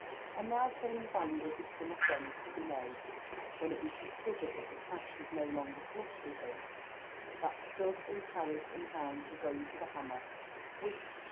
And now came the value of his summer friends to be known. When it was discovered that the cash was no longer flush with him that stud, and carriage, and hounds were going to the hammer whish!